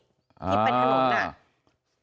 ฝั่งที่